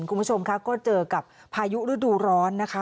คุณผู้ชมค่ะก็เจอกับพายุฤดูร้อนนะคะ